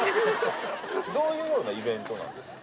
どういうイベントなんですか？